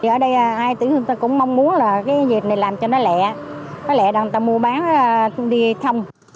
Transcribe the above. ở đây ai tưởng người ta cũng mong muốn là cái dịch này làm cho nó lẹ nó lẹ là người ta mua bán đi thông